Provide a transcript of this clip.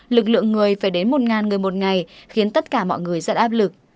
lực lượng người phải đến một người một ngày khiến tất cả mọi người rất áp lực